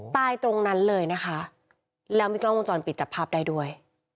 ตายตรงนั้นเลยนะคะแล้วมีกล้องวงจรปิดจับภาพได้ด้วย